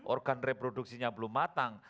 organ reproduksinya belum matang